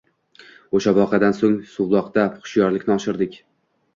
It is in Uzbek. O`sha voqeadan so`ng suvloqda xushyorlikni oshirdik